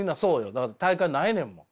だって大会ないねんもん。